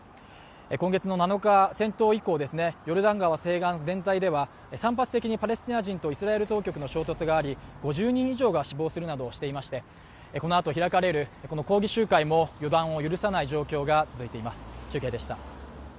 こんげつ７日の戦闘以降、ヨルダン川西岸全体では散発的にパレスチナ人とイスラエル当局の衝突があり衝突があり、５０人以上が死亡するなどしていまして、このあと開かれる抗議集会も予断を許さない状況です。